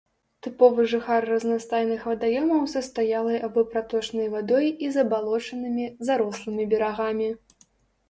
Тыповы жыхар разнастайных вадаёмаў са стаялай або праточнай вадой і забалочанымі, зарослымі берагамі.